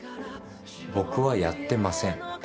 僕はやってません。